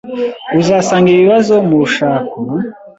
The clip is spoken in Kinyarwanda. uzasanga ibibazo mu rushako